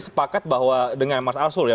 sepakat bahwa dengan mas arsul ya